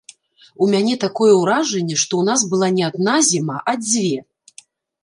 У мяне такое ўражанне, што ў нас была не адна зіма, а дзве!